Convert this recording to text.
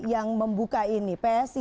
yang membuka ini psi